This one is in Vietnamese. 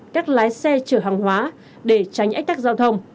các lái xe chở hàng hóa để tránh ách tắc giao thông